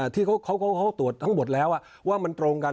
ที่เขาตรวจทั้งหมดแล้วว่ามันตรงกัน